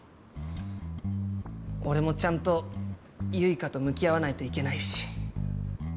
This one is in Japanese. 俺もちゃんと結花と向き合わないといけないし。